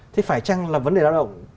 thế phải chăng là vấn đề lao động